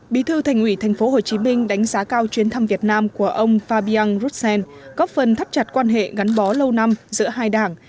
bí thư thành ủy tp hcm đánh giá cao chuyến thăm việt nam của ông fabien roussen góp phần thắt chặt quan hệ gắn bó lâu năm giữa hai đảng